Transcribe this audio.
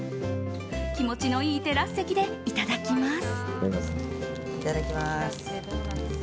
気持ちのいいテラス席でいただきます。